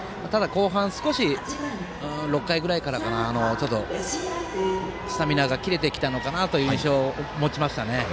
後半は、少し６回ぐらいからちょっとスタミナが切れてきたのかなという印象を持ちましたね。